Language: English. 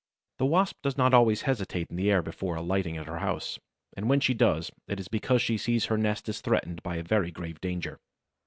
The Wasp does not always hesitate in the air before alighting at her house, and when she does, it is because she sees her nest is threatened by a very grave danger.